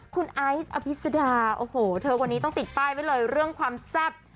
คุณไอซ์อภิษดาโอ้โหเธอวันนี้ต้องติดป้ายไว้เลยเรื่องความแซ่บ